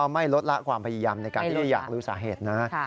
ไม่ลดละความพยายามในการที่จะอยากรู้สาเหตุนะ